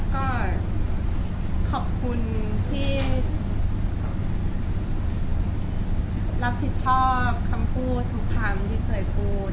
ก็ขอบคุณที่รับผิดชอบคำพูดทุกคำที่เคยพูด